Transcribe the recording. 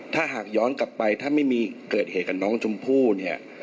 ถ้าหากย้อนกลับไปถ้าไม่มีเกิดเหตุกับน้องชมพู่เนี่ย